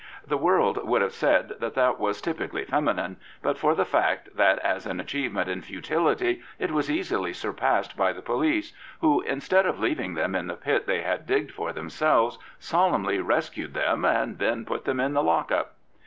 The world would have said that that was typically feminine, but for the fact that as an achievement in futility it was easily surpassed by the police, who, instead of leaving them in the pit they had digged for themselves, solemnly rescued them and then put them in the lock up.